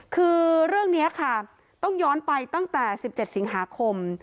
คือเรื่องนี้ค่ะต้องย้อนไปตั้งแต่๑๗สิงหาคม